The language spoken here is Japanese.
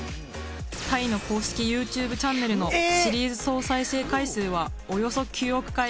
タイの公式ＹｏｕＴｕｂｅチャンネルのシリーズ総再生回数はおよそ９億回。